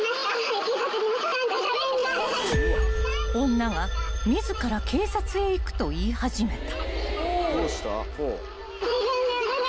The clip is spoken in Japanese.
［女が自ら警察へ行くと言い始めた］